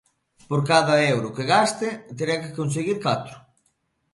Por cada euro que gaste terá que conseguir catro.